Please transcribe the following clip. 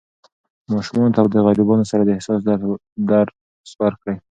ماشومانو ته د غریبانو سره د احسان درس ورکړئ.